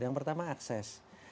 yang pertama akses